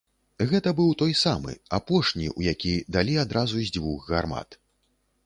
Гэта быў той самы, апошні, у які далі адразу з дзвюх гармат.